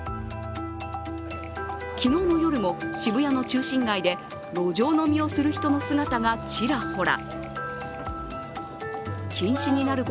昨日の夜も渋谷の中心街で路上飲みをする人の姿がちらほら。